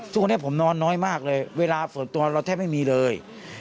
ทุกวันนี้ผมนอนน้อยมากเลยเวลาส่วนตัวเราแทบไม่มีเลย